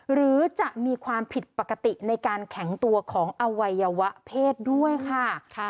หรือจะมีความผิดปกติในการแข็งตัวของอวัยวะเพศด้วยค่ะ